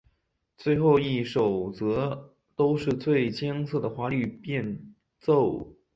最后一首则都是最艰涩的华丽变奏。